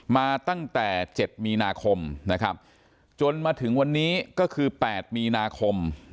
มาตั้งแต่๗มีนาคมนะครับจนมาถึงวันนี้ก็คือ๘มีนาคม